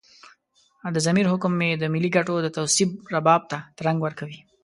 د ضمیر حکم مې د ملي ګټو د توصيف رباب ته ترنګ ورکوي.